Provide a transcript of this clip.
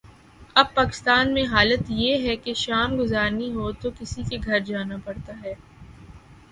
اب پاکستان میں حالت یہ ہے کہ شام گزارنی ہو تو کسی کے گھر جانا پڑتا ہے۔